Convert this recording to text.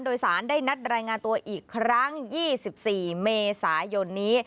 โดยสารได้นัดรายงานตัวอีกครั้ง๒๔เมษายนนี้